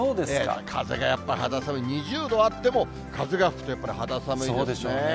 風がやっぱ肌寒い、２０度あっても、風が吹くとやっぱり肌寒いですね。